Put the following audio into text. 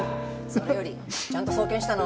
それよりちゃんと送検したの？